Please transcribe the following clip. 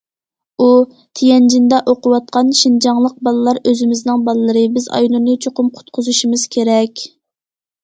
ئۇ: تيەنجىندە ئوقۇۋاتقان شىنجاڭلىق بالىلار ئۆزىمىزنىڭ بالىلىرى، بىز ئاينۇرنى چوقۇم قۇتقۇزۇشىمىز كېرەك!